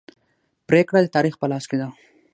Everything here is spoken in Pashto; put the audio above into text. پریکړه د تاریخ په لاس کې ده.